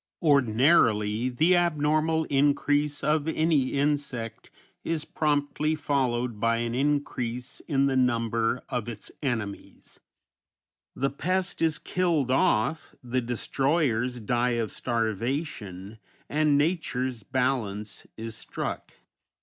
Ordinarily the abnormal increase of any insect is promptly followed by an increase in the number of its enemies; the pest is killed off, the destroyers die of starvation and nature's balance is struck.